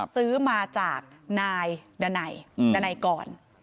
ซื้อมาจากนายดนายกร